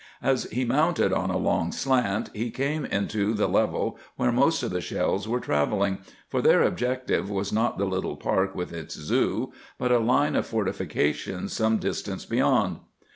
As he mounted on a long slant, he came into the level where most of the shells were travelling, for their objective was not the little park with its "Zoo," but a line of fortifications some distance beyond.